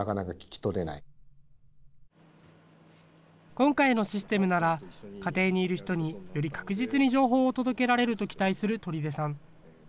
今回のシステムなら、家庭にいる人により確実に情報を届けられると期待する取出さん。